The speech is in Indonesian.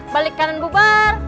balik kanan bubar